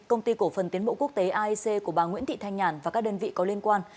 công ty cổ phần tiến bộ quốc tế aec của bà nguyễn thị thanh nhàn và các đơn vị có liên quan